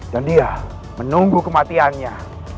dan dia menunggu kematiannya